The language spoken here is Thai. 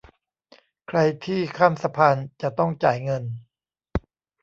ใครที่ข้ามสะพานจะต้องจ่ายเงิน